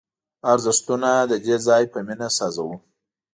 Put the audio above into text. ارزښتونه د دې ځای په مینه ساز وو